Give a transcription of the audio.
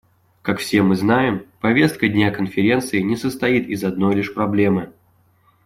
Как все мы знаем, повестка дня Конференции не состоит из одной лишь проблемы.